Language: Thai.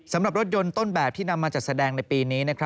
สำหรับรถยนต์ต้นแบบที่นำมาจัดแสดงในปีนี้